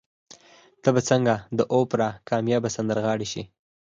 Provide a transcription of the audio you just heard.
ته به څنګه د اوپرا کاميابه سندرغاړې شې؟